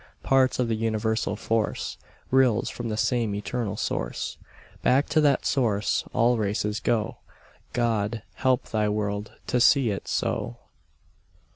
Parts of the Universal Force, Rills from the same eternal Source Back to that Source, all races go. God, help Thy world to see it so.